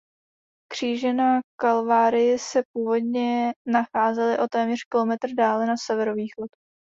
Kříže na Kalvárii se původně nacházely o téměř kilometr dále na severovýchod.